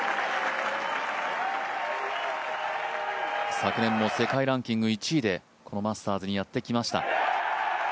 昨年の世界ランキング１位でこのマスターズにやってきました。